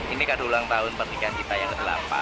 ini kadul ulang tahun pertikaian kita yang ke delapan